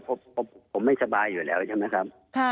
เพราะผมไม่สบายอยู่แล้วใช่ไหมครับ